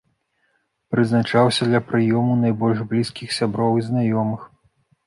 Прызначаўся для прыёму найбольш блізкіх сяброў і знаёмых.